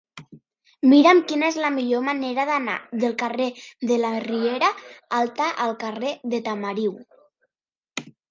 Mira'm quina és la millor manera d'anar del carrer de la Riera Alta al carrer de Tamariu.